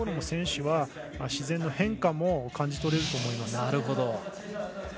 選手は自然の変化も感じ取れると思います。